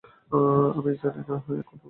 জানি না, কবে ভারতে যাইতে পারিব।